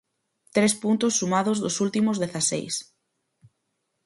Tres puntos sumados dos últimos dezaseis.